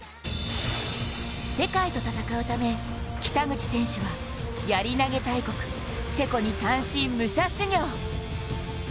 世界と戦うため、北口選手は、やり投げ大国チェコに単身武者修行。